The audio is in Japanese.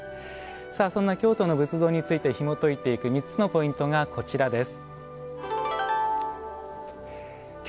そんな京都の仏像についてひもといていく３つのポイントがこちらです。